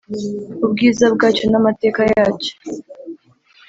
ubwiza bwacyo n’amateka yacyo